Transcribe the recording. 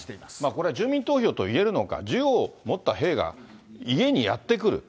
これは住民投票といえるのか、銃を持った兵が家にやって来る。